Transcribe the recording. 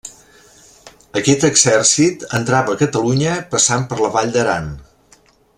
Aquest exèrcit entrava a Catalunya passant per la Vall d'Aran.